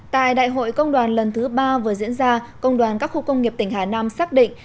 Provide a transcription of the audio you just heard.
tại đại hội công đoàn lần thứ ba vừa diễn ra công đoàn các khu công nghiệp tỉnh hà nam xác định